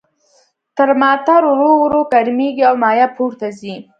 ترمامتر ورو ورو ګرمیږي او مایع پورته ځي.